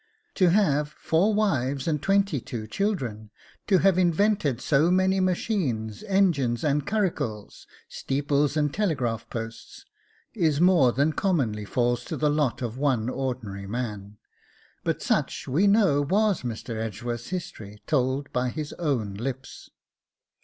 To have four wives and twenty two children, to have invented so many machines, engines, and curricles, steeples and telegraph posts, is more than commonly falls to the lot of one ordinary man, but such we know was Mr. Edgeworth's history told by his own lips.